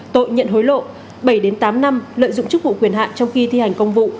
tội nhận hối lộ bảy tám năm lợi dụng chức vụ quyền hạn trong khi thi hành công vụ